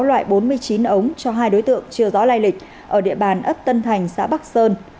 loại bốn mươi chín ống cho hai đối tượng chưa rõ lai lịch ở địa bàn ấp tân thành xã bắc sơn